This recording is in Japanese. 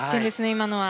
今のは。